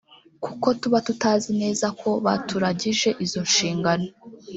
kuko tuba tuzi neza ko baturagije izo nshingano